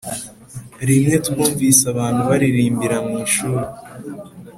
rimwe twumvise abantu baririmbira mu ishuri,